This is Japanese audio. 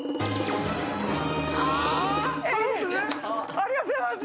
ありがとうございます。